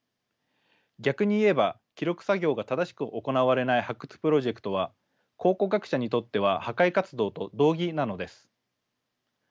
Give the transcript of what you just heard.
逆に言えば記録作業が正しく行われない発掘プロジェクトは考古学者にとっては破壊活動と同義なのです。